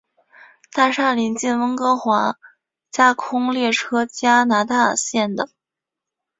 大厦邻近温哥华架空列车加拿大线的。